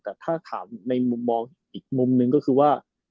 แต่ถ้าถามในมุมมองอีกมุมหนึ่งก็คือว่า